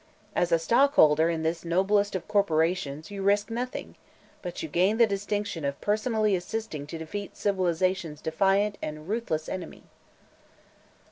As a stockholder in this noblest of corporations you risk nothing, but you gain the distinction of personally assisting to defeat Civilization's defiant and ruthless enemy."